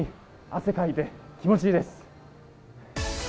汗をかいて気持ち良いです。